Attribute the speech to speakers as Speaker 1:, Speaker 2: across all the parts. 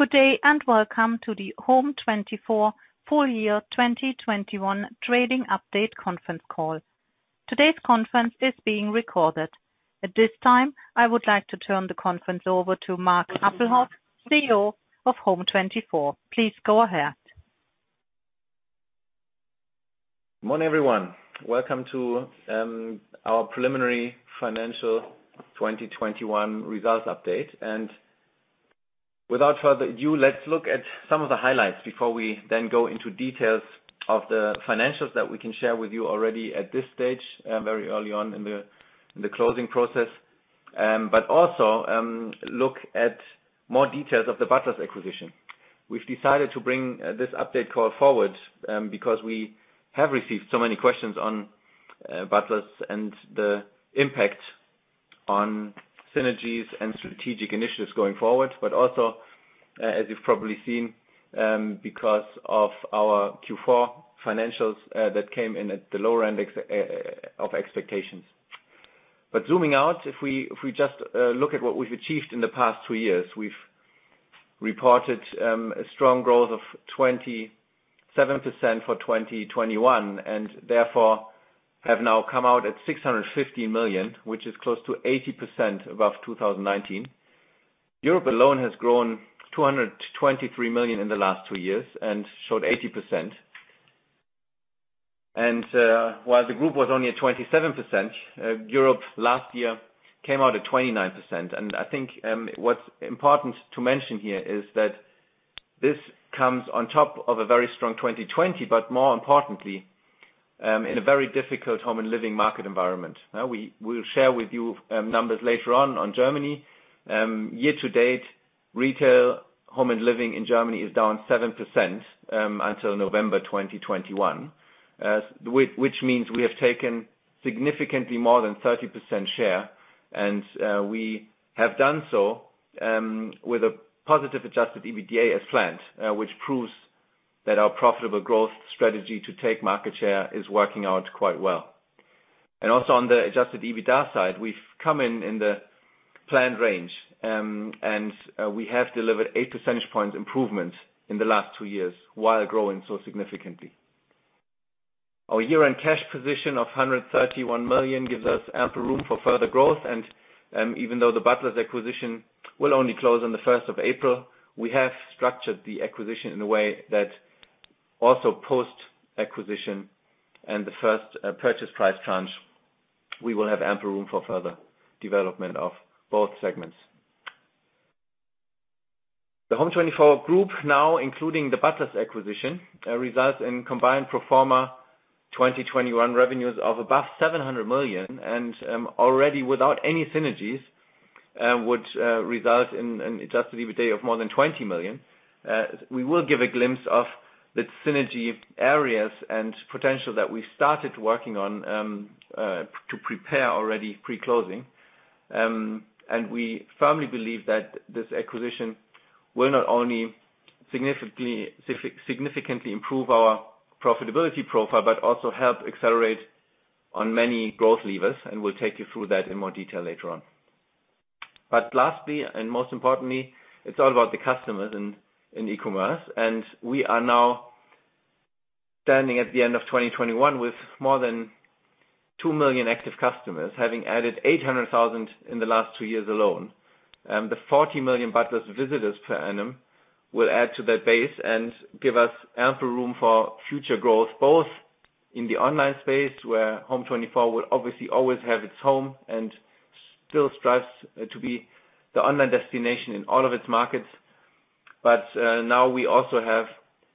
Speaker 1: Good day and welcome to the home24 Full Year 2021 Trading Update conference call. Today's conference is being recorded. At this time, I would like to turn the conference over to Marc Appelhoff, CEO of home24. Please go ahead.
Speaker 2: Morning, everyone. Welcome to our preliminary financial 2021 results update. Without further ado, let's look at some of the highlights before we then go into details of the financials that we can share with you already at this stage, very early on in the closing process, but also look at more details of the Butlers acquisition. We've decided to bring this update call forward because we have received so many questions on Butlers and the impact on synergies and strategic initiatives going forward, but also, as you've probably seen, because of our Q4 financials that came in at the lower end of expectations. Zooming out, if we just look at what we've achieved in the past two years. We've reported a strong growth of 27% for 2021, and therefore have now come out at 650 million, which is close to 80% above 2019. Europe alone has grown 200 million-223 million in the last two years and showed 80%. While the group was only at 27%, Europe last year came out at 29%. I think what's important to mention here is that this comes on top of a very strong 2020, but more importantly, in a very difficult home and living market environment. Now, we will share with you numbers later on Germany. Year to date, retail, home and living in Germany is down 7% until November 2021. Which means we have taken significantly more than 30% share, and we have done so with a positive adjusted EBITDA as planned, which proves that our profitable growth strategy to take market share is working out quite well. Also on the adjusted EBITDA side, we've come in the planned range, and we have delivered 8 percentage points improvement in the last two years while growing so significantly. Our year-end cash position of 131 million gives us ample room for further growth. Even though the Butlers acquisition will only close on the first of April, we have structured the acquisition in a way that also post-acquisition and the first purchase price tranche, we will have ample room for further development of both segments. The home24 Group, now including the Butlers acquisition, results in combined pro forma 2021 revenues of above 700 million, and already without any synergies, which result in an adjusted EBITDA of more than 20 million. We will give a glimpse of the synergy areas and potential that we started working on to prepare already pre-closing. We firmly believe that this acquisition will not only significantly improve our profitability profile, but also help accelerate on many growth levers. We'll take you through that in more detail later on. Lastly, and most importantly, it's all about the customers in e-commerce, and we are now standing at the end of 2021 with more than 2 million active customers, having added 800,000 in the last two years alone. The 40 million Butlers visitors per annum will add to that base and give us ample room for future growth, both in the online space where home24 will obviously always have its home and still strives to be the online destination in all of its markets. Now we also have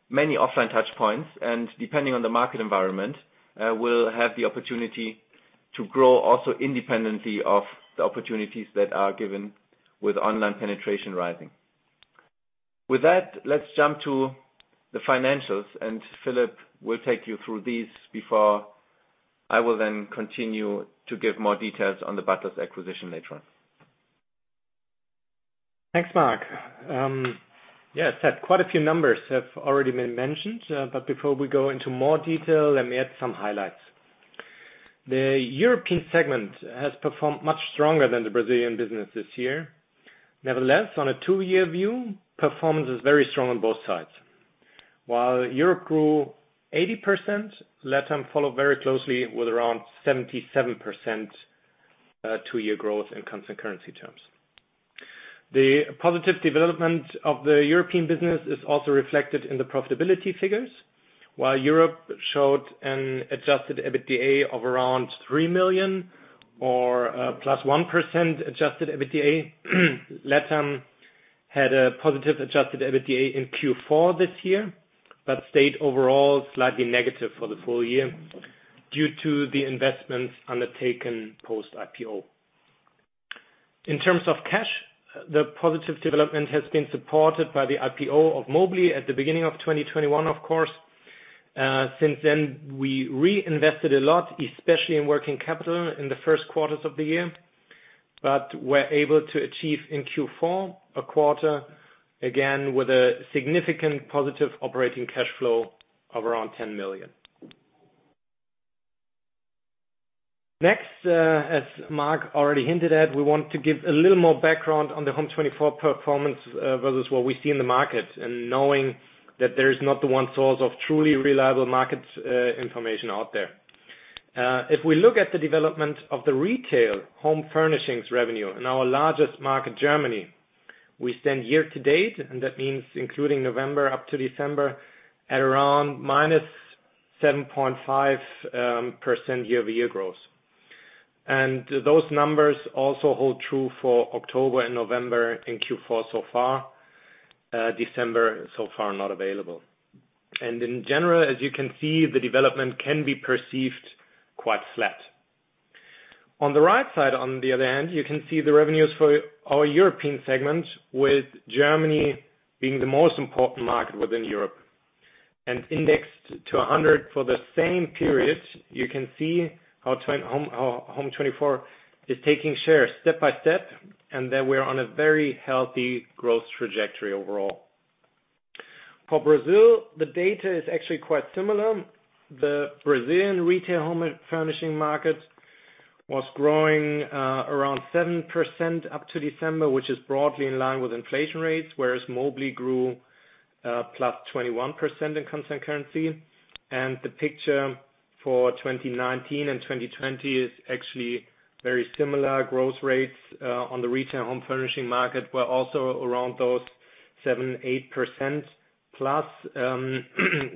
Speaker 2: many offline touchpoints, and depending on the market environment, we'll have the opportunity to grow also independently of the opportunities that are given with online penetration rising. With that, let's jump to the financials, and Philipp will take you through these before I will then continue to give more details on the Butlers acquisition later on.
Speaker 3: Thanks, Marc. Yes, quite a few numbers have already been mentioned, but before we go into more detail, let me add some highlights. The European segment has performed much stronger than the Brazilian business this year. Nevertheless, on a two-year view, performance is very strong on both sides. While Europe grew 80%, LatAm followed very closely with around 77%, two-year growth in constant currency terms. The positive development of the European business is also reflected in the profitability figures. While Europe showed an adjusted EBITDA of around 3 million or +1% adjusted EBITDA, LatAm had a positive adjusted EBITDA in Q4 this year, but stayed overall slightly negative for the full year due to the investments undertaken post-IPO. In terms of cash, the positive development has been supported by the IPO of Mobly at the beginning of 2021, of course. Since then, we reinvested a lot, especially in working capital in the first quarters of the year. We were able to achieve in Q4 a quarter, again, with a significant positive operating cash flow of around 10 million. Next, as Marc already hinted at, we want to give a little more background on the home24 performance, versus what we see in the market, and knowing that there is not the one source of truly reliable market information out there. If we look at the development of the retail home furnishings revenue in our largest market, Germany, we stand year to date, and that means including November up to December, at around -7.5% year-over-year growth. Those numbers also hold true for October and November in Q4 so far. December so far not available. In general, as you can see, the development can be perceived quite flat. On the right side, on the other hand, you can see the revenues for our European segment, with Germany being the most important market within Europe. Indexed to 100 for the same period, you can see how home24 is taking shares step by step, and that we're on a very healthy growth trajectory overall. For Brazil, the data is actually quite similar. The Brazilian retail home furnishing market was growing around 7% up to December, which is broadly in line with inflation rates, whereas Mobly grew +21% in constant currency. The picture for 2019 and 2020 is actually very similar. Growth rates on the retail home furnishing market were also around those 7%, 8%+,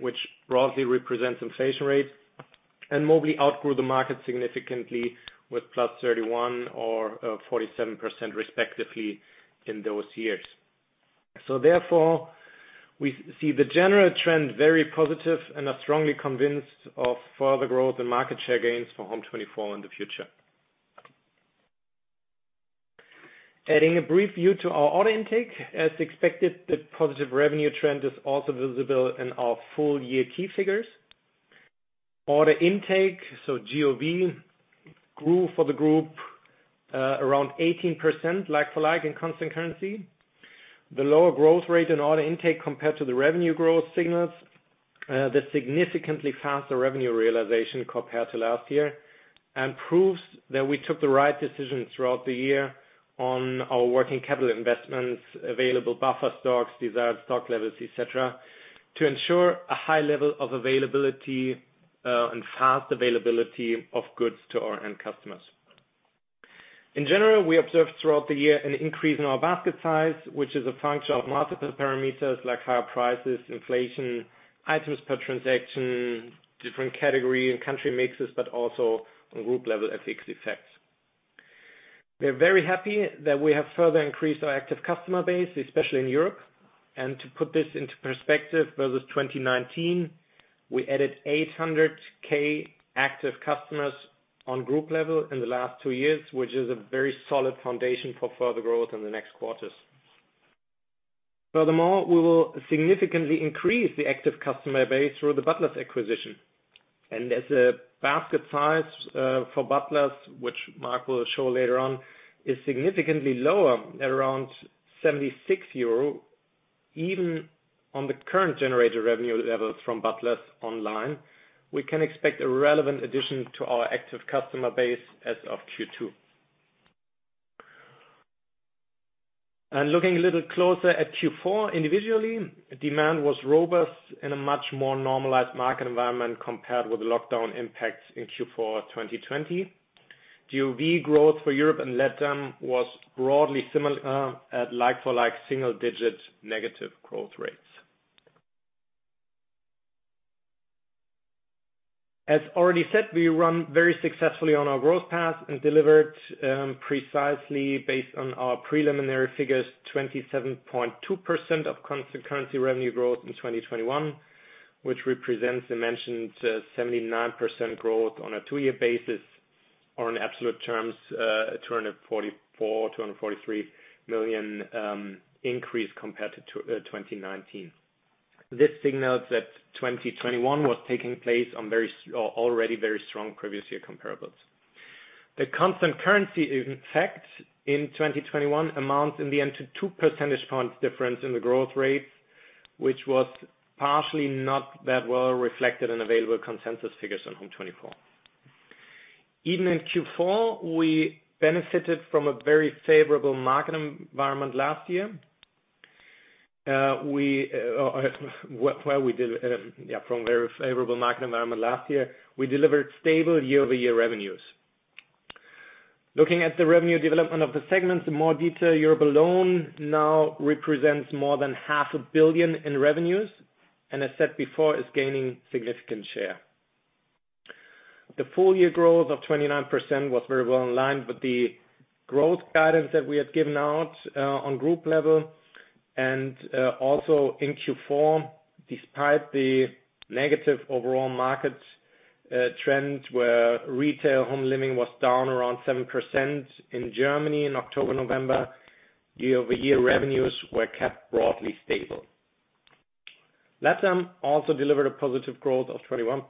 Speaker 3: which broadly represents inflation rates. Mobly outgrew the market significantly with +31% or 47% respectively in those years. Therefore, we see the general trend very positive and are strongly convinced of further growth and market share gains for home24 in the future. Adding a brief view to our order intake, as expected, the positive revenue trend is also visible in our full-year key figures. Order intake, so GOV, grew for the group around 18% like for like in constant currency. The lower growth rate in order intake compared to the revenue growth signals the significantly faster revenue realization compared to last year and proves that we took the right decision throughout the year on our working capital investments, available buffer stocks, desired stock levels, et cetera, to ensure a high level of availability and fast availability of goods to our end customers. In general, we observed throughout the year an increase in our basket size, which is a function of multiple parameters like higher prices, inflation, items per transaction, different category and country mixes, but also on group level FX effects. We're very happy that we have further increased our active customer base, especially in Europe. To put this into perspective versus 2019, we added 800K active customers on group level in the last two years, which is a very solid foundation for further growth in the next quarters. Furthermore, we will significantly increase the active customer base through the Butlers acquisition. As a basket size for Butlers, which Marc will show later on, is significantly lower at around 76 euro, even on the current generated revenue levels from Butlers online, we can expect a relevant addition to our active customer base as of Q2. Looking a little closer at Q4, individually, demand was robust in a much more normalized market environment compared with the lockdown impacts in Q4 2020. GOV growth for Europe and LatAm was broadly similar at like for like single digit negative growth rates. As already said, we run very successfully on our growth path and delivered precisely based on our preliminary figures, 27.2% of constant currency revenue growth in 2021, which represents the mentioned 79% growth on a two-year basis or in absolute terms, 243 million increase compared to 2019. This signals that 2021 was taking place on already very strong previous year comparables. The constant currency effect in 2021 amounts in the end to 2 percentage points difference in the growth rates, which was partially not that well reflected in available consensus figures on home24. Even in Q4, we benefited from a very favorable market environment last year. We delivered stable year-over-year revenues. Looking at the revenue development of the segments in more detail, Europe alone now represents more than half a billion EUR in revenues and as said before, is gaining significant share. The full year growth of 29% was very well in line with the growth guidance that we had given out on group level and also in Q4, despite the negative overall market trends where retail home living was down around 7% in Germany in October, November. Year-over-year revenues were kept broadly stable. LatAm also delivered a positive growth of 21%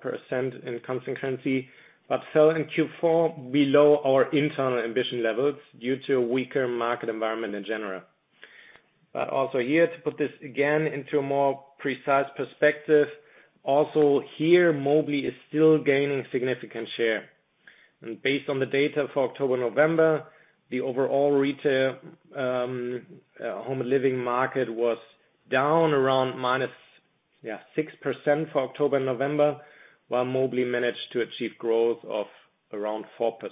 Speaker 3: in constant currency, but fell in Q4 below our internal ambition levels due to a weaker market environment in general. To put this again into a more precise perspective, Mobly is still gaining significant share. Based on the data for October, November, the overall retail, home and living market was down around -6% for October, November, while Mobly managed to achieve growth of around 4%.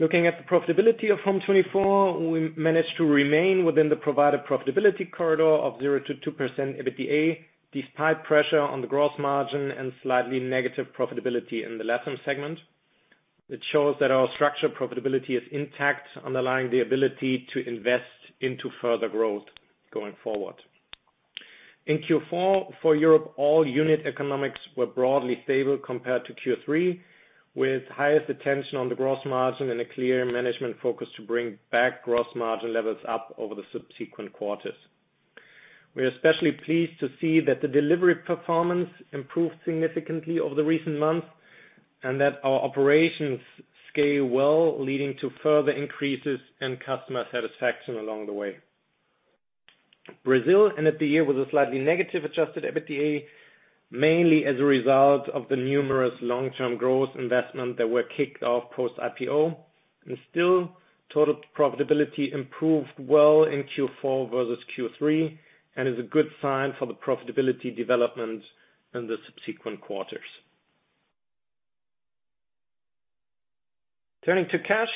Speaker 3: Looking at the profitability of home24, we managed to remain within the provided profitability corridor of 0%-2% EBITDA, despite pressure on the gross margin and slightly negative profitability in the LatAm segment. It shows that our structural profitability is intact, underlining the ability to invest into further growth going forward. In Q4 for Europe, all unit economics were broadly stable compared to Q3, with highest attention on the gross margin and a clear management focus to bring back gross margin levels up over the subsequent quarters. We are especially pleased to see that the delivery performance improved significantly over the recent months, and that our operations scale well, leading to further increases in customer satisfaction along the way. Brazil ended the year with a slightly negative adjusted EBITDA, mainly as a result of the numerous long-term growth investments that were kicked off post IPO, and still total profitability improved well in Q4 versus Q3, and is a good sign for the profitability development in the subsequent quarters. Turning to cash,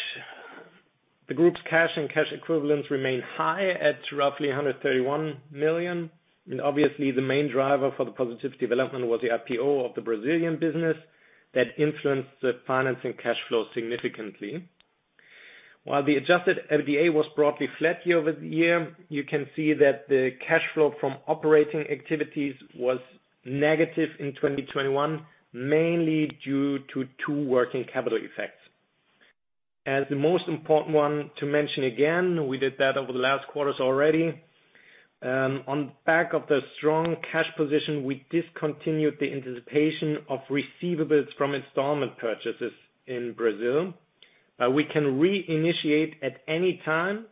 Speaker 3: the group's cash and cash equivalents remain high at roughly 131 million. Obviously, the main driver for the positive development was the IPO of the Brazilian business that influenced the financing cash flow significantly. While the adjusted EBITDA was broadly flat year-over-year, you can see that the cash flow from operating activities was negative in 2021, mainly due to two working capital effects. The most important one to mention again, we did that over the last quarters already, on the back of the strong cash position, we discontinued the anticipation of receivables from installment purchases in Brazil. We can re-initiate at any time,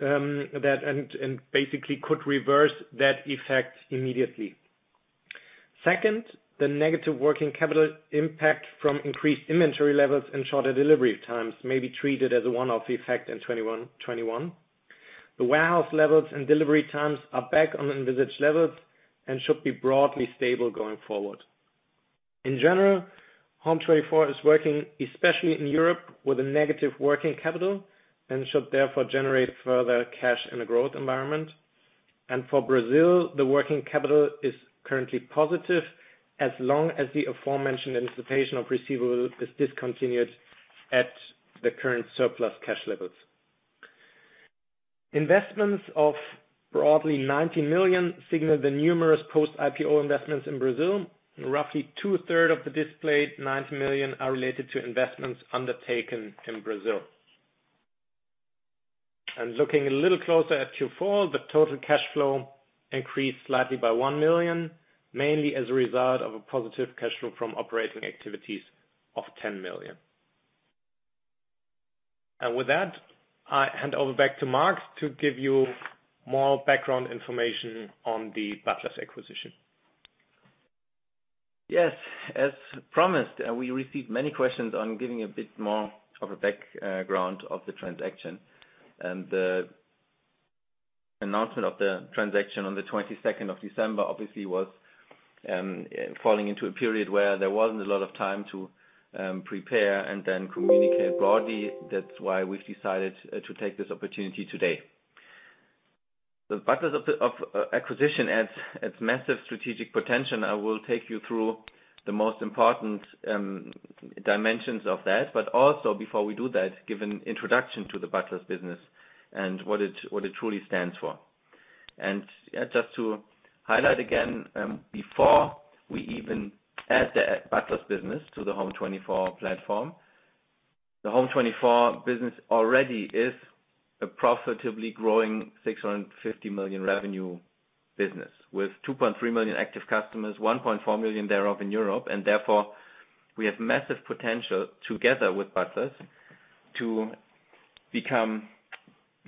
Speaker 3: that and basically could reverse that effect immediately. Second, the negative working capital impact from increased inventory levels and shorter delivery times may be treated as a one-off effect in 2021. The warehouse levels and delivery times are back on envisaged levels and should be broadly stable going forward. In general, home24 is working, especially in Europe, with a negative working capital and should therefore generate further cash in a growth environment. For Brazil, the working capital is currently positive as long as the aforementioned anticipation of receivable is discontinued at the current surplus cash levels. Investments of broadly 90 million signal the numerous post-IPO investments in Brazil. Roughly two-thirds of the displayed 90 million are related to investments undertaken in Brazil. Looking a little closer at Q4, the total cash flow increased slightly by 1 million, mainly as a result of a positive cash flow from operating activities of 10 million. With that, I hand over back to Marc to give you more background information on the Butlers acquisition.
Speaker 2: Yes. As promised, we received many questions on giving a bit more of a background of the transaction. The announcement of the transaction on the 22nd December, obviously, was falling into a period where there wasn't a lot of time to prepare and then communicate broadly. That's why we've decided to take this opportunity today. The Butlers acquisition has its massive strategic potential. I will take you through the most important dimensions of that, but also before we do that, give an introduction to the Butlers business and what it truly stands for. Just to highlight again, before we even add the Butlers business to the home24 platform. The home24 business already is a profitably growing 650 million revenue business with 2.3 million active customers, 1.4 million thereof in Europe. You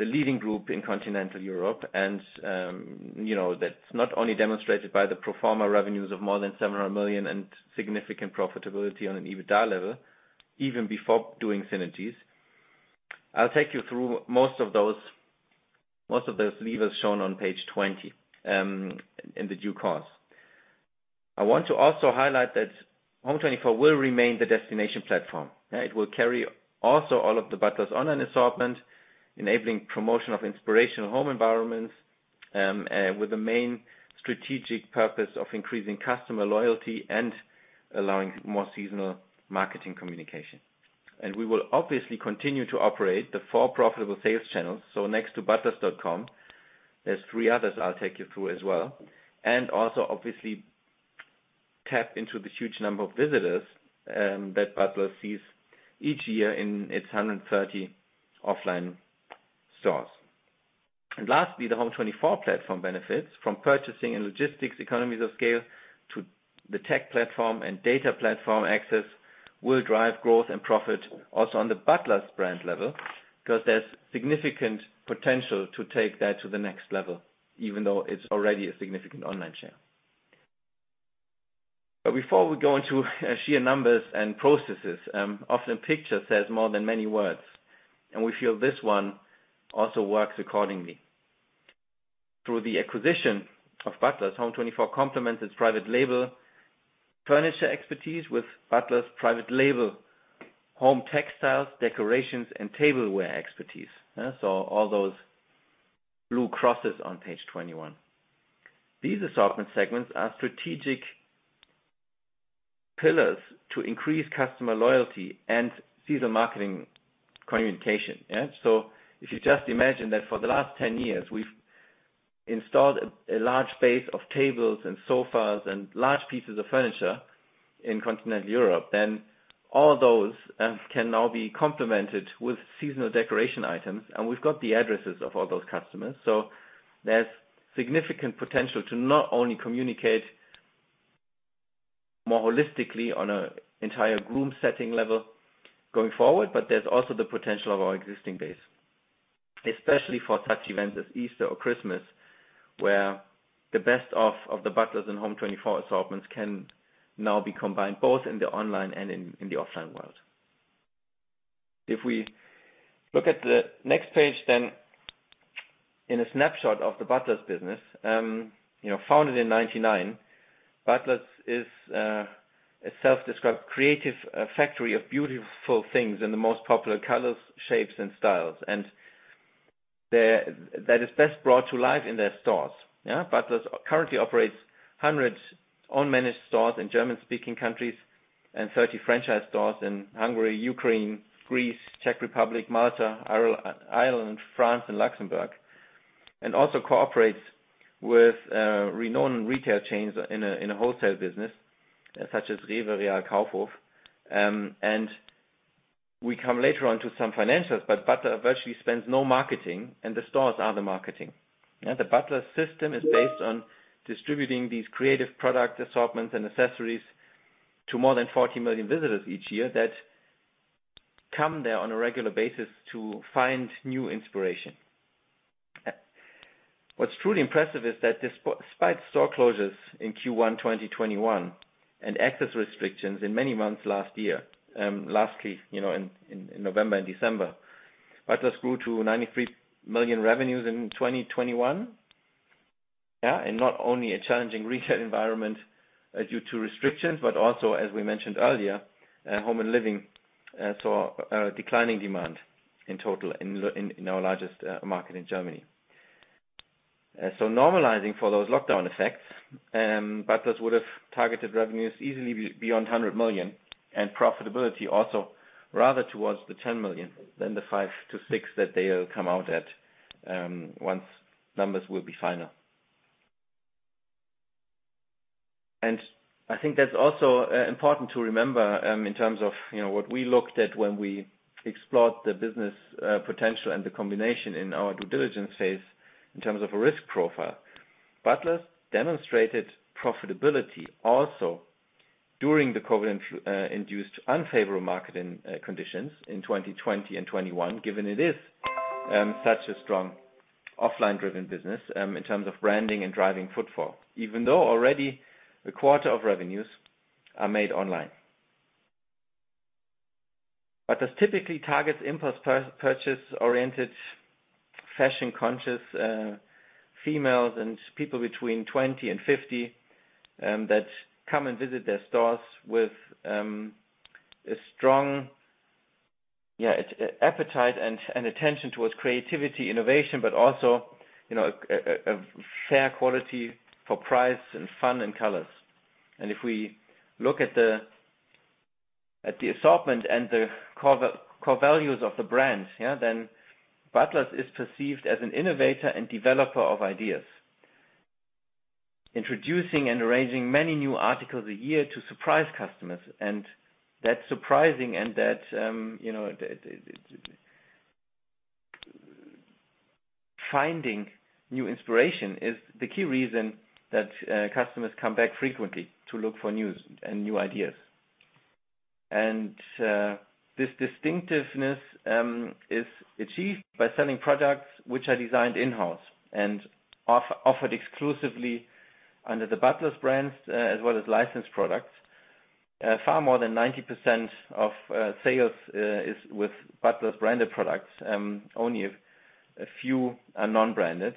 Speaker 2: know, that's not only demonstrated by the pro forma revenues of more than 700 million and significant profitability on an EBITDA level, even before doing synergies. I'll take you through most of those levers shown on page 20, in due course. I want to also highlight that home24 will remain the destination platform. It will carry also all of the Butlers online assortment, enabling promotion of inspirational home environments, with the main strategic purpose of increasing customer loyalty and allowing more seasonal marketing communication. We will obviously continue to operate the 4 profitable sales channels. Next to butlers.com, there's 3 others I'll take you through as well. Also obviously tap into the huge number of visitors that Butlers sees each year in its 130 offline stores. Lastly, the Home24 platform benefits from purchasing and logistics economies of scale to the tech platform and data platform access will drive growth and profit also on the Butlers' brand level, 'cause there's significant potential to take that to the next level, even though it's already a significant online share. Before we go into sheer numbers and processes, a picture says more than a thousand words, and we feel this one also works accordingly. Through the acquisition of Butlers, Home24 complements its private label furniture expertise with Butlers' private label, home textiles, decorations, and tableware expertise. All those blue crosses on page 21. These assortment segments are strategic pillars to increase customer loyalty and seasonal marketing communication, yeah? If you just imagine that for the last 10 years, we've installed a large base of tables and sofas and large pieces of furniture in continental Europe, then all those can now be complemented with seasonal decoration items, and we've got the addresses of all those customers. There's significant potential to not only communicate more holistically on an entire room setting level going forward, but there's also the potential of our existing base. Especially for such events as Easter or Christmas, where the best of the Butlers' and home24 assortments can now be combined both in the online and in the offline world. If we look at the next page then, in a snapshot of the Butlers business, you know, founded in 1999, Butlers is a self-described creative factory of beautiful things in the most popular colors, shapes, and styles. That is best brought to life in their stores. Yeah? Butlers currently operates hundreds owned managed stores in German-speaking countries and 30 franchise stores in Hungary, Ukraine, Greece, Czech Republic, Malta, Ireland, France, and Luxembourg. It also cooperates with renowned retail chains in a wholesale business, such as REWE, real, Kaufhof. We come later on to some financials, but Butlers virtually spends no marketing, and the stores are the marketing. The Butlers system is based on distributing these creative product assortments and accessories to more than 40 million visitors each year that come there on a regular basis to find new inspiration. What's truly impressive is that despite store closures in Q1 2021 and access restrictions in many months last year, lastly, you know, in November and December, Butlers grew to 93 million revenues in 2021. Yeah. In not only a challenging retail environment due to restrictions, but also, as we mentioned earlier, home and living saw declining demand in total in our largest market in Germany. So normalizing for those lockdown effects, Butlers would've targeted revenues easily beyond 100 million, and profitability also rather towards the 10 million than the 5-6 million that they'll come out at once numbers will be final. I think that's also important to remember in terms of you know what we looked at when we explored the business potential and the combination in our due diligence phase in terms of a risk profile. Butlers demonstrated profitability also during the COVID induced unfavorable marketing conditions in 2020 and 2021, given it is such a strong offline driven business in terms of branding and driving footfall. Even though already a quarter of revenues are made online. This typically targets impulse purchase oriented, fashion conscious females and people between 20 and 50 that come and visit their stores with a strong yeah appetite and attention towards creativity, innovation, but also you know a fair quality for price and fun and colors. If we look at the assortment and the core values of the brand, then Butlers is perceived as an innovator and developer of ideas, introducing and arranging many new articles a year to surprise customers. That's surprising. Finding new inspiration is the key reason that customers come back frequently to look for news and new ideas. This distinctiveness is achieved by selling products which are designed in-house and offered exclusively under the Butlers brands, as well as licensed products. Far more than 90% of sales is with Butlers branded products. Only a few are non-branded,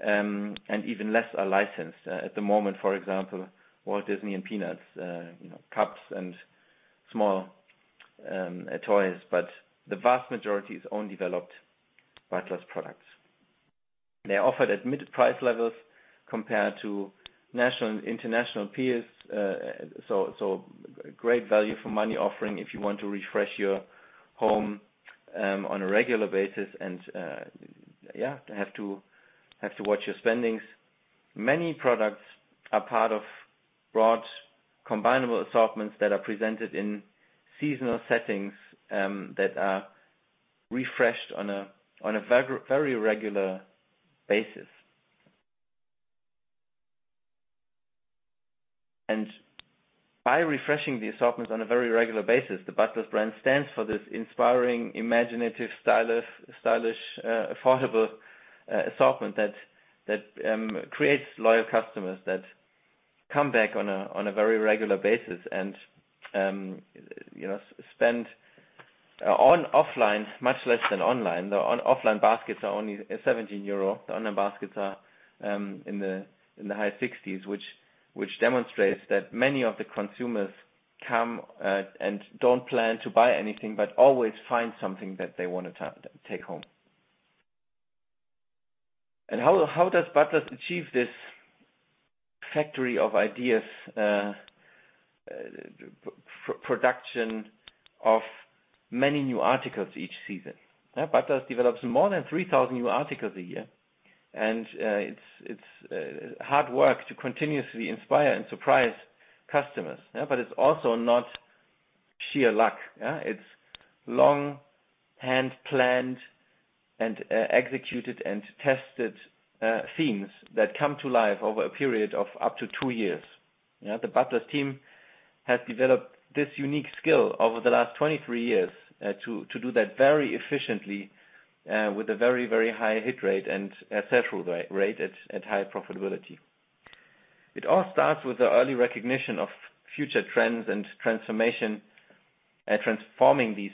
Speaker 2: and even less are licensed, at the moment, for example, Walt Disney and Peanuts, you know, cups and small toys. The vast majority is own developed Butlers products. They're offered at mid-price levels compared to national and international peers. Great value for money offering if you want to refresh your home on a regular basis and have to watch your spending. Many products are part of broad combinable assortments that are presented in seasonal settings that are refreshed on a very regular basis. By refreshing the assortments on a very regular basis, the Butlers brand stands for this inspiring, imaginative, stylish, affordable assortment that creates loyal customers that come back on a very regular basis and you know spend offline much less than online. The offline baskets are only 17 euro. The online baskets are in the high sixties, which demonstrates that many of the consumers come and don't plan to buy anything, but always find something that they wanna take home. How does Butlers achieve this factory of ideas, production of many new articles each season? Butlers develops more than 3,000 new articles a year. It's hard work to continuously inspire and surprise customers. It's also not sheer luck. It's long planned and executed and tested themes that come to life over a period of up to two years. The Butlers team has developed this unique skill over the last 23 years to do that very efficiently with a very high hit rate and a sell-through rate at high profitability. It all starts with the early recognition of future trends and transformation and transforming these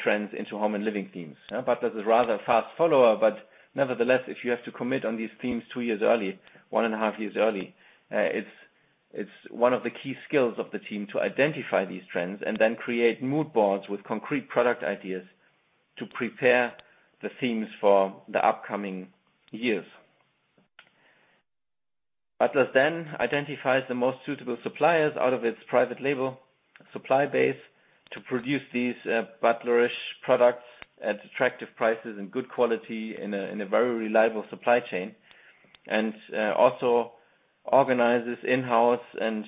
Speaker 2: trends into home and living themes. Yeah, Butlers is rather a fast follower, but nevertheless, if you have to commit on these themes two years early, one and a half years early, it's one of the key skills of the team to identify these trends and then create mood boards with concrete product ideas to prepare the themes for the upcoming years. Butlers then identifies the most suitable suppliers out of its private label supply base to produce these Butler-ish products at attractive prices and good quality in a very reliable supply chain, and also organizes in-house and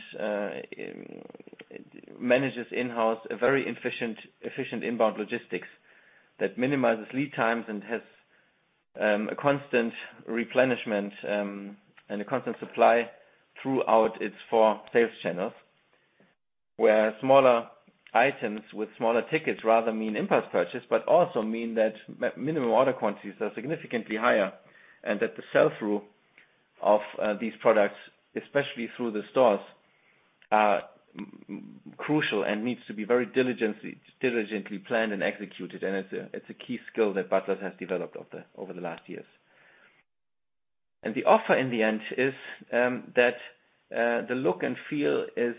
Speaker 2: manages in-house a very efficient inbound logistics that minimizes lead times and has a constant replenishment and a constant supply throughout its four sales channels. Where smaller items with smaller tickets rather mean impulse purchase, but also mean that minimum order quantities are significantly higher and that the sell-through of these products, especially through the stores, are crucial and needs to be very diligently planned and executed. It's a key skill that Butlers has developed over the last years. The offer in the end is that the look and feel is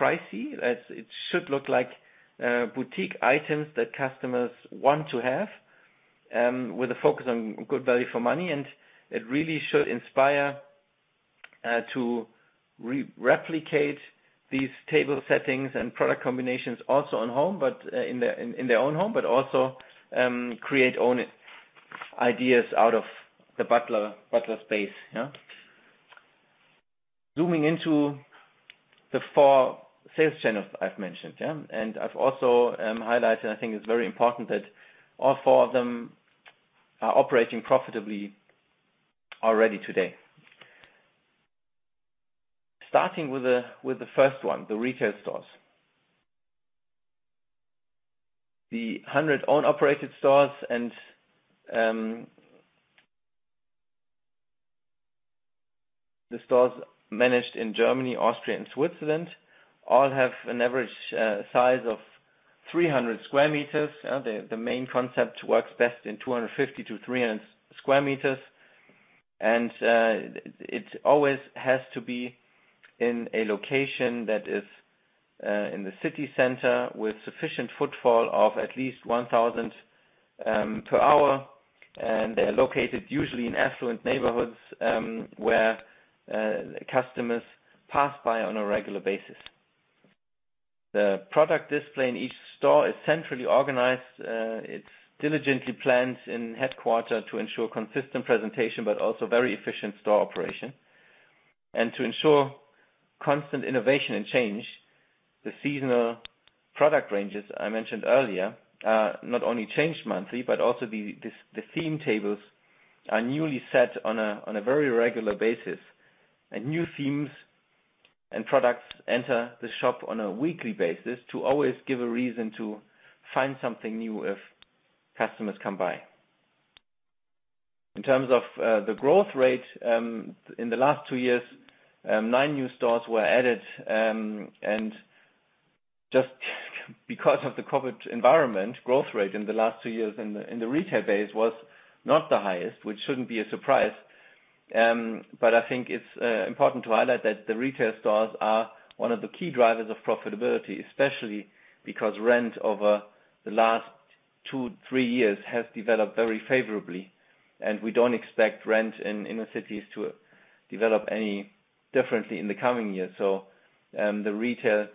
Speaker 2: pricey. It should look like boutique items that customers want to have with a focus on good value for money. It really should inspire to replicate these table settings and product combinations also at home, but in their own home, but also create own ideas out of the Butlers space, yeah. Zooming into the four sales channels I've mentioned, yeah. I've also highlighted, I think it's very important that all four of them are operating profitably already today. Starting with the first one, the retail stores. The 100 own-operated stores and the stores managed in Germany, Austria, and Switzerland all have an average size of 300 sq m. The main concept works best in 250-300 sq m. It always has to be in a location that is in the city center with sufficient footfall of at least 1,000 per hour. They are located usually in affluent neighborhoods where customers pass by on a regular basis. The product display in each store is centrally organized. It's diligently planned in headquarters to ensure consistent presentation, but also very efficient store operation. To ensure constant innovation and change, the seasonal product ranges I mentioned earlier not only change monthly, but also the theme tables are newly set on a very regular basis. New themes and products enter the shop on a weekly basis to always give a reason to find something new if customers come by. In terms of the growth rate, in the last two years, nine new stores were added, and just because of the COVID environment, growth rate in the last two years in the retail base was not the highest, which shouldn't be a surprise. I think it's important to highlight that the retail stores are one of the key drivers of profitability, especially because rent over the last two, three years has developed very favorably. We don't expect rent in inner cities to develop any differently in the coming years. The retail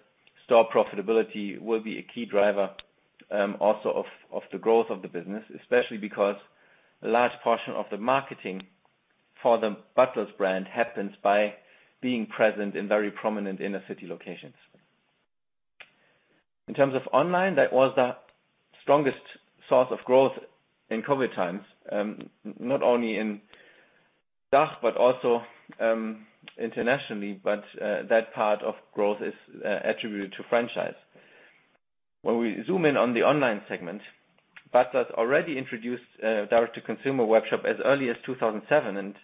Speaker 2: store profitability will be a key driver, also of the growth of the business, especially because a large portion of the marketing for the Butlers brand happens by being present in very prominent inner city locations. In terms of online, that was the strongest source of growth in COVID times, not only in DACH but also internationally. That part of growth is attributed to franchise. When we zoom in on the online segment, Butlers already introduced a direct-to-consumer webshop as early as 2007 and,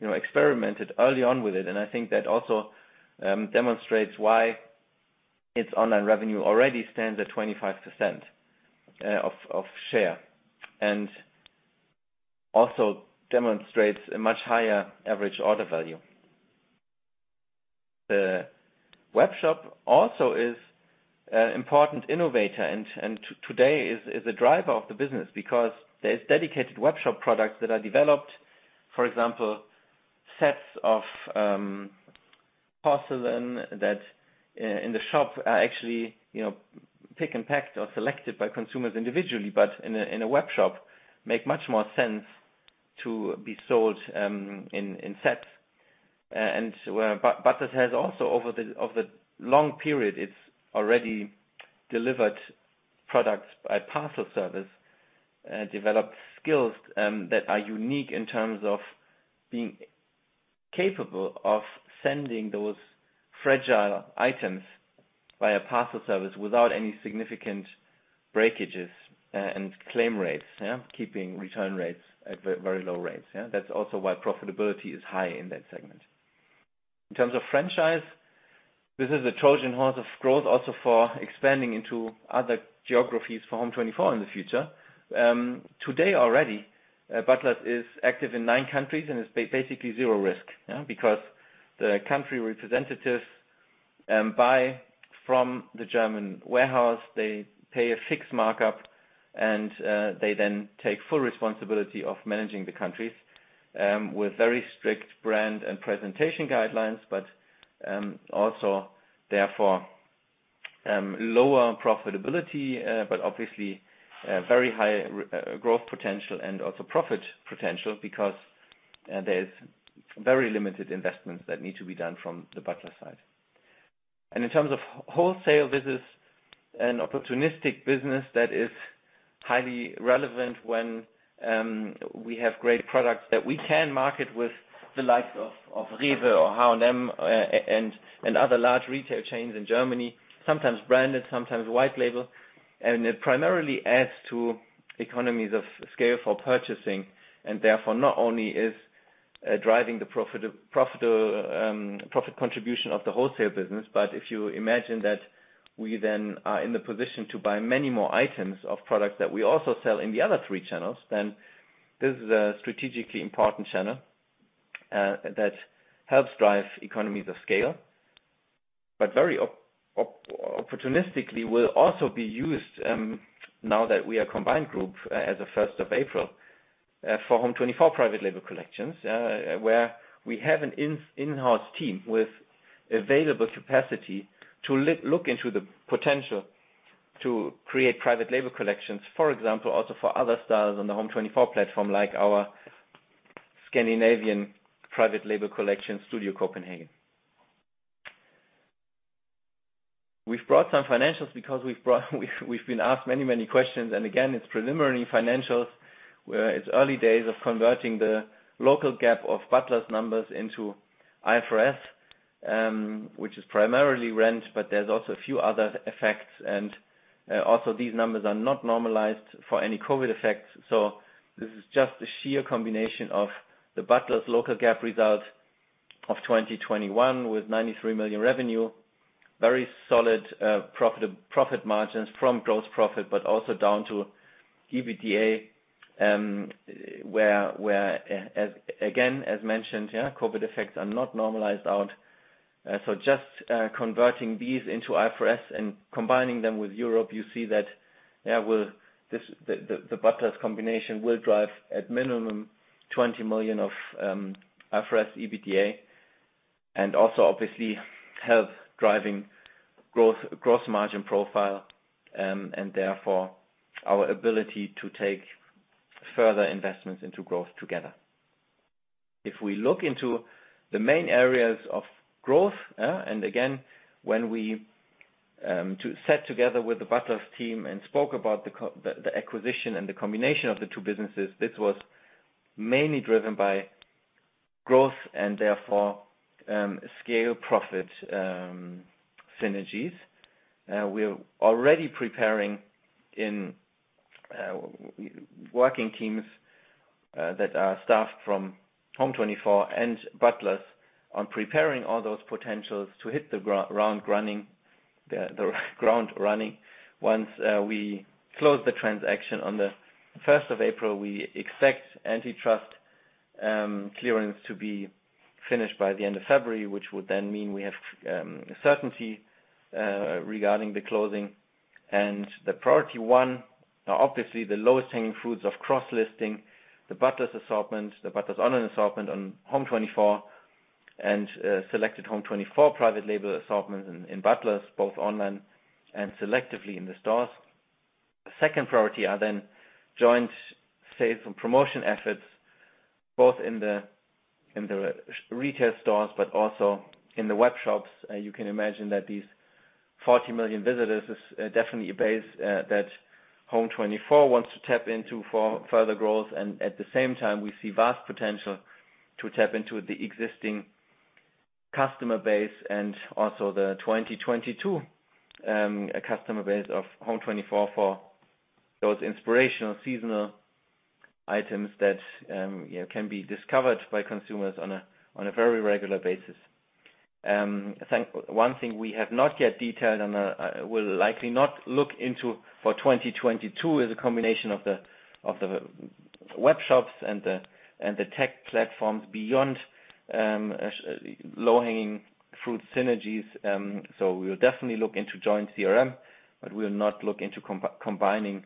Speaker 2: you know, experimented early on with it. I think that also demonstrates why its online revenue already stands at 25% of share, and also demonstrates a much higher average order value. The webshop also is an important innovator and today is a driver of the business because there's dedicated webshop products that are developed. For example, sets of porcelain that in the shop are actually, you know, pick and packed or selected by consumers individually, but in a webshop, make much more sense to be sold in sets. Butlers has also over the long period, it's already delivered products by parcel service, developed skills that are unique in terms of being capable of sending those fragile items via parcel service without any significant breakages and claim rates, yeah. Keeping return rates at very low rates, yeah. That's also why profitability is high in that segment. In terms of franchise, this is a Trojan horse of growth also for expanding into other geographies for home24 in the future. Today already, Butlers is active in nine countries, and it's basically zero risk, yeah. Because the country representatives buy from the German warehouse, they pay a fixed markup, and they then take full responsibility of managing the countries with very strict brand and presentation guidelines, also therefore lower profitability, but obviously very high growth potential and also profit potential because there's very limited investments that need to be done from the Butlers side. In terms of wholesale, this is an opportunistic business that is highly relevant when we have great products that we can market with the likes of REWE or H&M, and other large retail chains in Germany, sometimes branded, sometimes white label. It primarily adds to economies of scale for purchasing, and therefore not only is driving the profit contribution of the wholesale business. If you imagine that we then are in the position to buy many more items of products that we also sell in the other three channels, then this is a strategically important channel that helps drive economies of scale. Very opportunistically will also be used now that we are combined group as of first of April for home24 private label collections where we have an in-house team with available capacity to look into the potential to create private label collections. For example, also for other styles on the home24 platform, like our Scandinavian private label collection, Studio Copenhagen. We've brought some financials because we've been asked many, many questions. It's preliminary financials, where it's early days of converting the local GAAP of Butlers numbers into IFRS, which is primarily rent, but there's also a few other effects. Also these numbers are not normalized for any COVID effects. This is just the sheer combination of the Butlers local GAAP results of 2021 with 93 million revenue. Very solid profit margins from gross profit, but also down to EBITDA, where as again as mentioned COVID effects are not normalized out. Just converting these into IFRS and combining them with Europe, you see that the Butlers combination will drive at minimum 20 million of IFRS EBITDA and also obviously help driving growth, gross margin profile, and therefore our ability to take further investments into growth together. If we look into the main areas of growth, and again, when we sat together with the Butlers team and spoke about the acquisition and the combination of the two businesses, this was mainly driven by growth and therefore scale profit synergies. We're already preparing in working teams that are staffed from home24 and Butlers on preparing all those potentials to hit the ground running once we close the transaction on the first of April. We expect antitrust clearance to be finished by the end of February, which would then mean we have certainty regarding the closing. Priority one are obviously the lowest hanging fruits of cross-listing the Butlers assortment, the Butlers online assortment on home24. Selected home24 private label assortments in Butlers, both online and selectively in the stores. The second priority are then joint sales and promotion efforts, both in the retail stores but also in the webshops. You can imagine that these 40 million visitors is definitely a base that home24 wants to tap into for further growth. At the same time, we see vast potential to tap into the existing customer base and also the 2022 customer base of home24 for those inspirational seasonal items that you know can be discovered by consumers on a very regular basis. One thing we have not yet detailed and will likely not look into for 2022 is a combination of the webshops and the tech platforms beyond low-hanging fruit synergies. We'll definitely look into joint CRM, but we'll not look into combining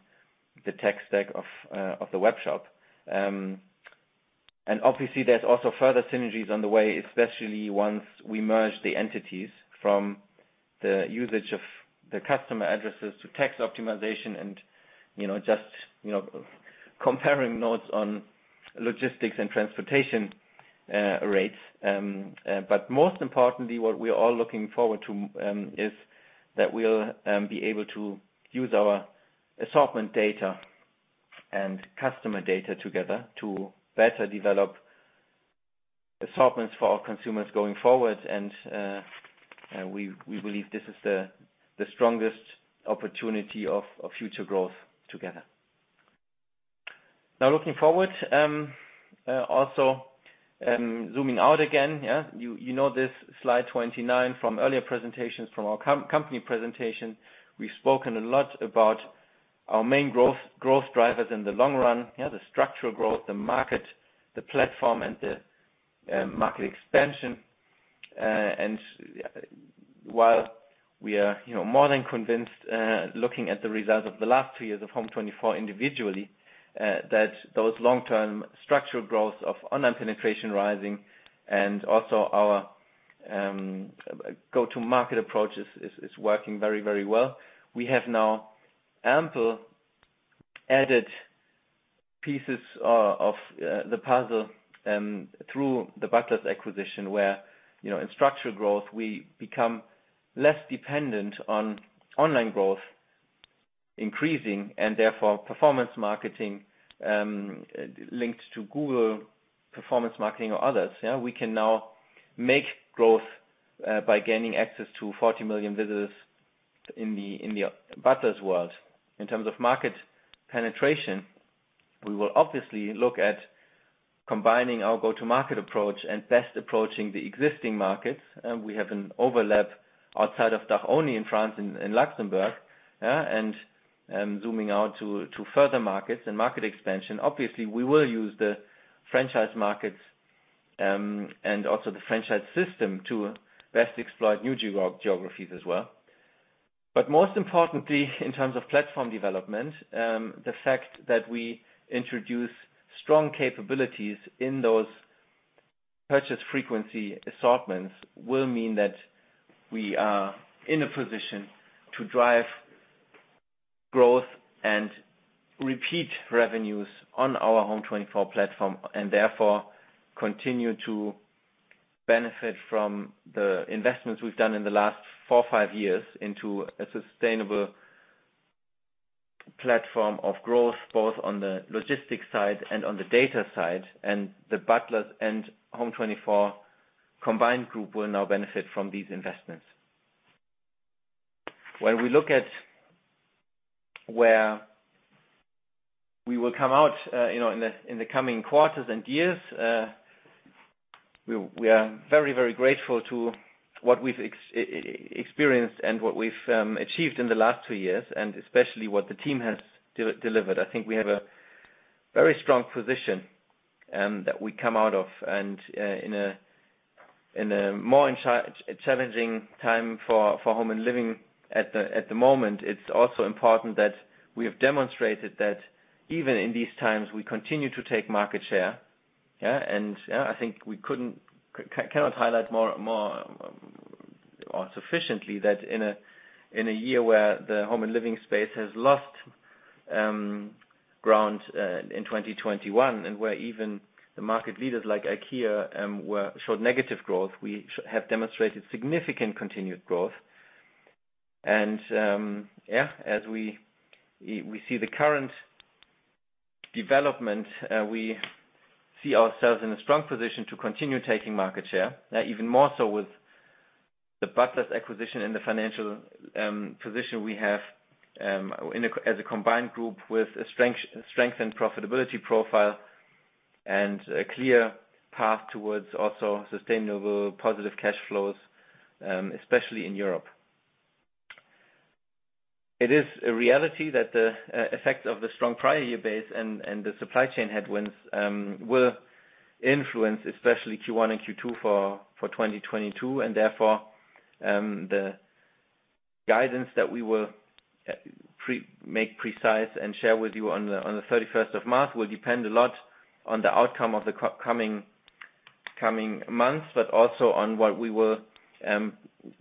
Speaker 2: the tech stack of the webshop. Obviously, there's also further synergies on the way, especially once we merge the entities from the usage of the customer addresses to tax optimization and, you know, just, you know, comparing notes on logistics and transportation rates. Most importantly, what we're all looking forward to is that we'll be able to use our assortment data and customer data together to better develop assortments for our consumers going forward. We believe this is the strongest opportunity of future growth together. Now looking forward, also, zooming out again, yeah, you know this slide 29 from earlier presentations from our company presentation. We've spoken a lot about our main growth drivers in the long run. Yeah, the structural growth, the market, the platform, and the market expansion. While we are, you know, more than convinced, looking at the results of the last two years of home24 individually, that those long-term structural growth of online penetration rising and also our go-to-market approach is working very well. We have now ample added pieces of the puzzle through the Butlers acquisition, where, you know, in structural growth, we become less dependent on online growth increasing and therefore performance marketing linked to Google performance marketing or others. Yeah, we can now make growth by gaining access to 40 million visitors in the Butlers world. In terms of market penetration, we will obviously look at combining our go-to-market approach and best approaching the existing markets. We have an overlap outside of DACH only in France and Luxembourg. Zooming out to further markets and market expansion, we will use the franchise markets and also the franchise system to best exploit new geographies as well. Most importantly, in terms of platform development, the fact that we introduce strong capabilities in those purchase frequency assortments will mean that we are in a position to drive growth and repeat revenues on our home24 platform. Therefore continue to benefit from the investments we've done in the last four, five years into a sustainable platform of growth, both on the logistics side and on the data side. The Butlers and home24 combined group will now benefit from these investments. When we look at where we will come out, you know, in the coming quarters and years, we are very, very grateful to what we've experienced and what we've achieved in the last two years, and especially what the team has delivered. I think we have a very strong position that we come out of and in a more challenging time for home and living at the moment. It's also important that we have demonstrated that even in these times, we continue to take market share, yeah. Yeah, I think we cannot highlight more or sufficiently that in a year where the home and living space has lost ground in 2021 and where even the market leaders like IKEA showed negative growth, we have demonstrated significant continued growth. Yeah, as we see the current development, we see ourselves in a strong position to continue taking market share. Even more so with the Butlers acquisition and the financial position we have as a combined group with a strength and profitability profile and a clear path towards also sustainable positive cash flows, especially in Europe. It is a reality that the effect of the strong prior year base and the supply chain headwinds will influence especially Q1 and Q2 for 2022. Therefore, the guidance that we will make precise and share with you on the 31st March will depend a lot on the outcome of the coming months, but also on what we will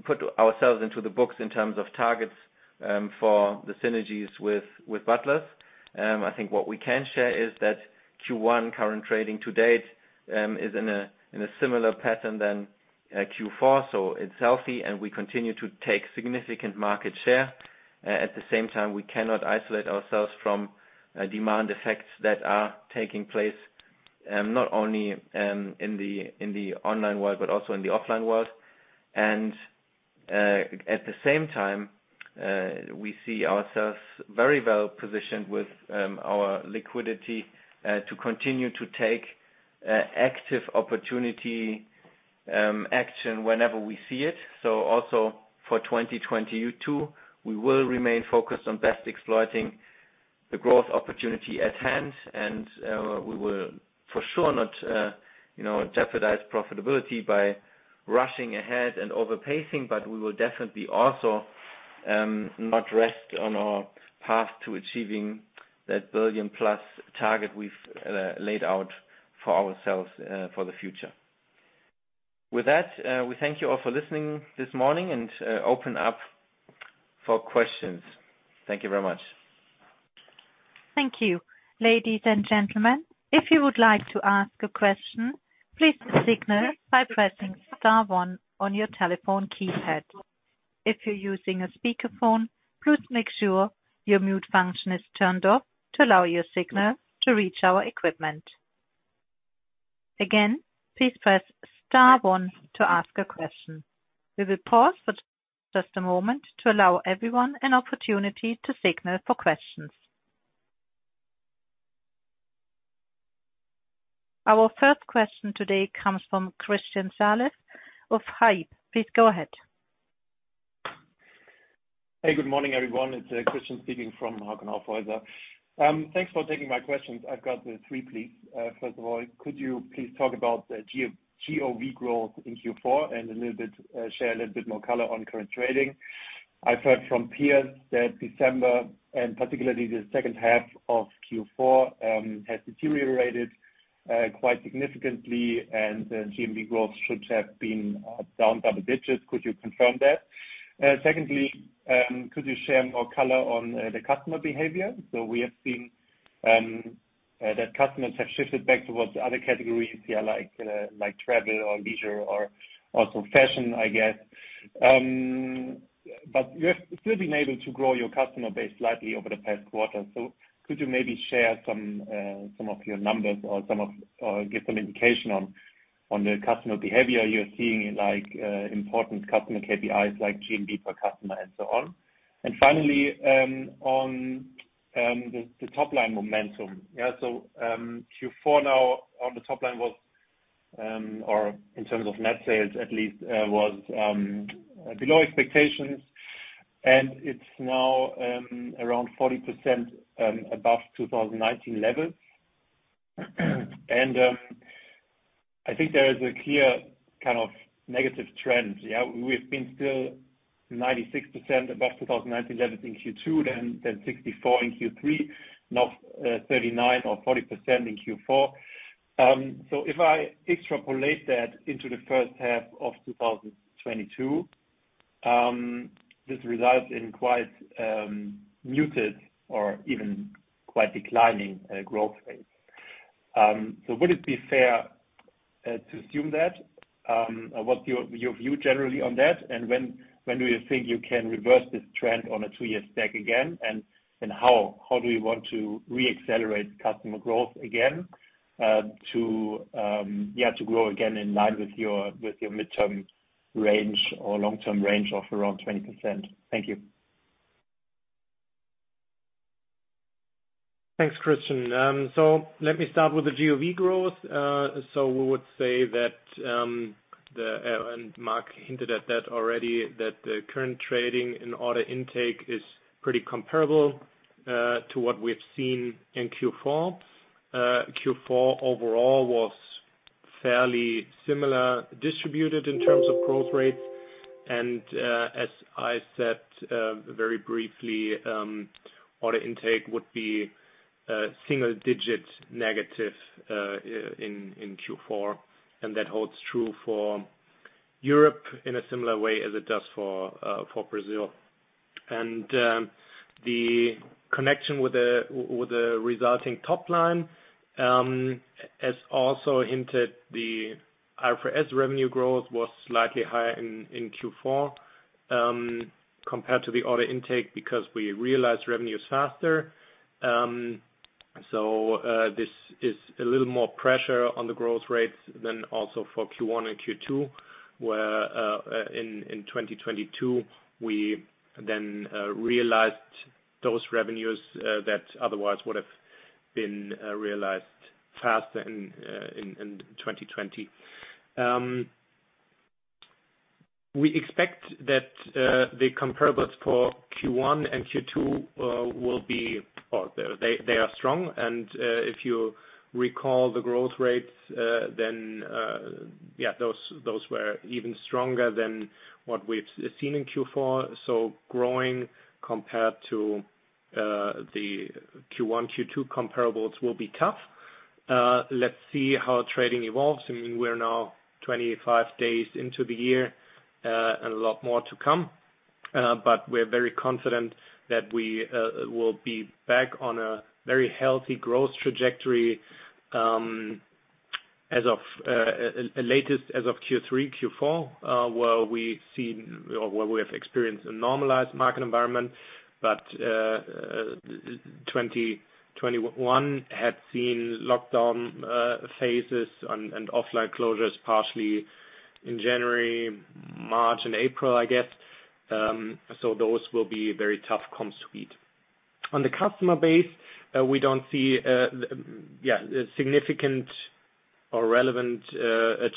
Speaker 2: put ourselves into the books in terms of targets for the synergies with Butlers. I think what we can share is that Q1 current trading to date is in a similar pattern to Q4, so it's healthy and we continue to take significant market share. At the same time, we cannot isolate ourselves from demand effects that are taking place, not only in the online world, but also in the offline world.
Speaker 3: At the same time, we see ourselves very well positioned with our liquidity to continue to take active opportunistic action whenever we see it. Also for 2022, we will remain focused on best exploiting the growth opportunity at hand. We will for sure not, you know, jeopardize profitability by rushing ahead and over-pacing, but we will definitely also not rest on our path to achieving that billion-plus target we've laid out for ourselves for the future. With that, we thank you all for listening this morning and we open up for questions. Thank you very much.
Speaker 1: Thank you. Ladies and gentlemen, if you would like to ask a question, please signal by pressing star one on your telephone keypads. If you're using a speakerphone, please make sure your mute function is turned off to allow your signal to reach our equipment. Again, please press star one to ask a question. We will pause for just a moment to allow everyone an opportunity to signal for questions. Our first question today comes from Christian Salis of HAI. Please go ahead.
Speaker 4: Hey, good morning, everyone. It's Christian speaking from Hauck & Aufhäuser. Thanks for taking my questions. I've got three, please. First of all, could you please talk about the GOV growth in Q4 and a little bit share a little bit more color on current trading? I've heard from peers that December, and particularly the second half of Q4, has deteriorated quite significantly, and the GMV growth should have been down double digits. Could you confirm that? Secondly, could you share more color on the customer behavior? We have seen that customers have shifted back towards other categories here, like travel or leisure or also fashion, I guess. But you have still been able to grow your customer base slightly over the past quarter. Could you maybe share some of your numbers or give some indication on the customer behavior you're seeing, like important customer KPIs like GMV per customer and so on. Finally, on the top line momentum. Q4 now on the top line was, or in terms of net sales, at least, below expectations, and it's now around 40% above 2019 levels. I think there is a clear kind of negative trend. We've been still 96% above 2019 levels in Q2, then 64% in Q3, now 39% or 40% in Q4. If I extrapolate that into the first half of 2022, this results in quite muted or even quite declining growth rates. Would it be fair to assume that, what's your view generally on that? When do you think you can reverse this trend on a two-year stack again? How do you want to re-accelerate customer growth again to grow again in line with your mid-term range or long-term range of around 20%? Thank you.
Speaker 3: Thanks, Christian. Let me start with the GOV growth. We would say that and Marc hinted at that already, that the current trading and order intake is pretty comparable to what we have seen in Q4. Q4 overall was fairly similar distributed in terms of growth rates. As I said very briefly, order intake would be single digits negative in Q4, and that holds true for Europe in a similar way as it does for Brazil. The connection with the resulting top line, as also hinted, the IFRS revenue growth was slightly higher in Q4 compared to the order intake because we realized revenue is faster. This is a little more pressure on the growth rates than also for Q1 and Q2, where in 2022 we then realized those revenues that otherwise would have been realized faster in 2020. We expect that the comparables for Q1 and Q2 will be or they are strong. If you recall the growth rates, then yeah, those were even stronger than what we've seen in Q4. Growing compared to the Q1, Q2 comparables will be tough. Let's see how trading evolves. I mean, we're now 25 days into the year, and a lot more to come. We're very confident that we will be back on a very healthy growth trajectory as of Q3, Q4, where we see or where we have experienced a normalized market environment. 2021 had seen lockdown phases and offline closures partially in January, March and April, I guess. Those will be very tough comps to beat. On the customer base, we don't see significant or relevant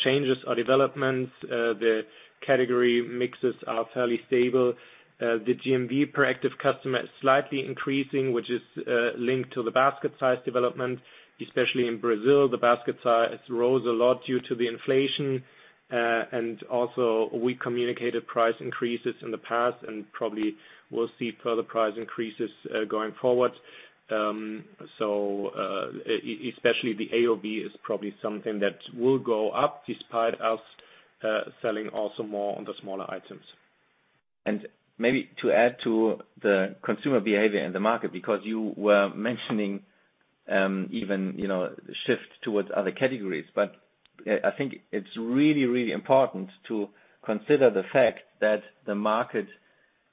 Speaker 3: changes or developments. The category mixes are fairly stable. The GMV per active customer is slightly increasing, which is linked to the basket size development. Especially in Brazil, the basket size rose a lot due to the inflation. Also we communicated price increases in the past and probably will see further price increases, going forward. Especially the AOV is probably something that will go up despite us selling also more on the smaller items.
Speaker 2: Maybe to add to the consumer behavior in the market, because you were mentioning even, you know, shift towards other categories. I think it's really important to consider the fact that the market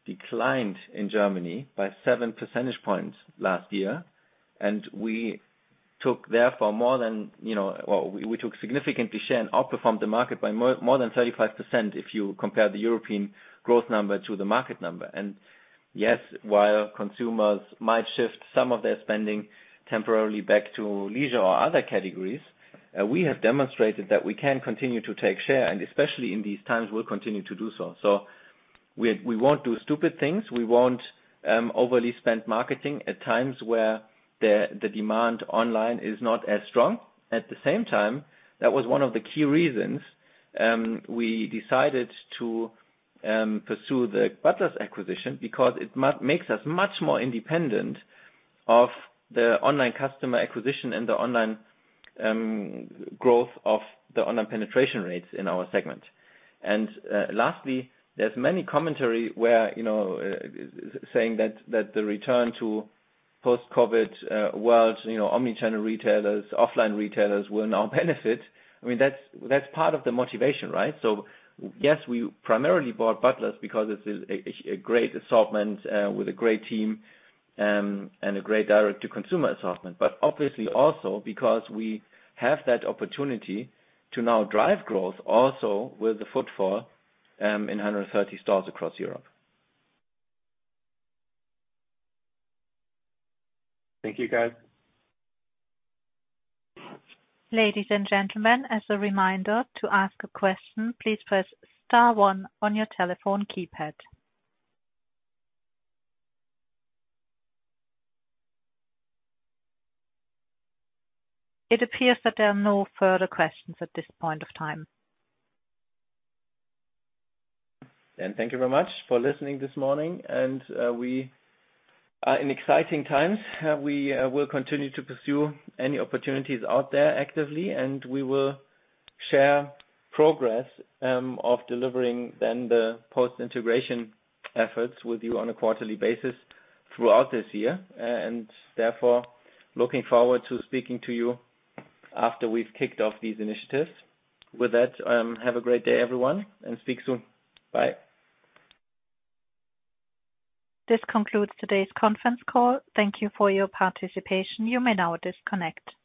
Speaker 2: declined in Germany by 7 percentage points last year. We took therefore more than, you know, or we took significantly share and outperformed the market by more than 35% if you compare the European growth number to the market number. Yes, while consumers might shift some of their spending temporarily back to leisure or other categories, we have demonstrated that we can continue to take share, and especially in these times, we'll continue to do so. We won't do stupid things. We won't overly spend marketing at times where the demand online is not as strong. At the same time, that was one of the key reasons we decided to pursue the Butlers acquisition because it makes us much more independent of the online customer acquisition and the online growth of the online penetration rates in our segment. Lastly, there's many commentary where, you know, saying that the return to post-COVID world, you know, omni-channel retailers, offline retailers will now benefit. I mean, that's part of the motivation, right? Yes, we primarily bought Butlers because it's a great assortment with a great team and a great direct-to-consumer assortment. But obviously also because we have that opportunity to now drive growth also with the footfall in 130 stores across Europe.
Speaker 4: Thank you, guys.
Speaker 1: Ladies and gentlemen, as a reminder to ask a question, please press star one on your telephone keypad. It appears that there are no further questions at this point of time.
Speaker 2: Thank you very much for listening this morning, and we are in exciting times. We will continue to pursue any opportunities out there actively, and we will share progress of delivering then the post-integration efforts with you on a quarterly basis throughout this year. Therefore, looking forward to speaking to you after we've kicked off these initiatives. With that, have a great day, everyone, and speak soon. Bye.
Speaker 1: This concludes today's conference call. Thank you for your participation. You may now disconnect.